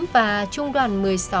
và trung đoàn một mươi sáu